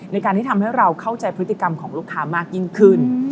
ในการที่ทำให้เราเข้าใจพฤติกรรมของลูกค้ามากยิ่งขึ้น